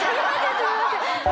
すみません！